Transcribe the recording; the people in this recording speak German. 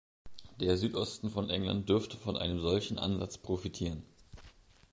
Der Südosten von England dürfte von einem solchen Ansatz profitieren.